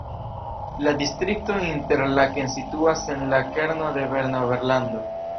La distrikto Interlaken situas en la kerno de Berna Oberlando.